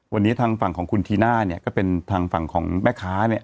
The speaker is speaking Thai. วันนี้ทางฝั่งของคุณธีน่าเนี่ยก็เป็นทางฝั่งของแม่ค้าเนี่ย